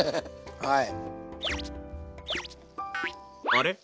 はい。